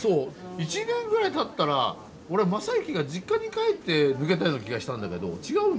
１年ぐらいたったら俺昌之が実家に帰って抜けたような気がしたんだけど違うのか？